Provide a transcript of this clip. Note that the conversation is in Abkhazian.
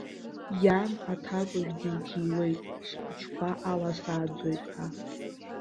Иан аҭакәажә диҭиуеит схәыҷқәа аласааӡоит ҳәа.